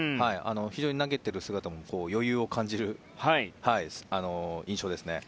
非常に、投げている姿も余裕を感じる印象ですね。